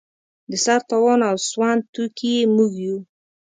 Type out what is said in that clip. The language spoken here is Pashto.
د سر تاوان او سوند توکي یې موږ یو.